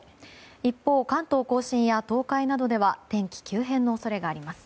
一方、関東・甲信や東海などでは天気急変の恐れがあります。